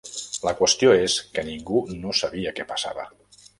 La qüestió és que ningú no sabia què passava.